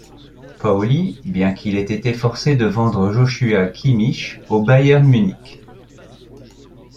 Pauli, bien qu'il ait été forcé de vendre Joshua Kimmich au Bayern Munich.